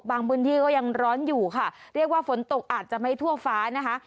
พื้นที่ก็ยังร้อนอยู่ค่ะเรียกว่าฝนตกอาจจะไม่ทั่วฟ้านะคะ